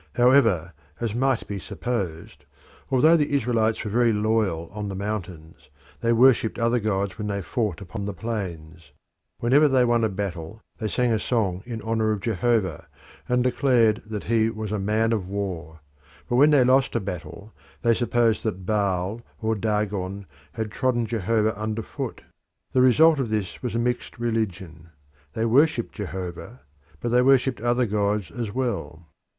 However, as might be supposed, although the Israelites were very loyal on the mountains, they worshipped other gods when they fought upon the plains. Whenever they won a battle they sang a song in honour of Jehovah and declared that he was "a man of war," but when they lost a battle they supposed that Baal or Dagon had trodden Jehovah under foot. The result of this was a mixed religion: they worshipped Jehovah, but they worshipped other gods as well.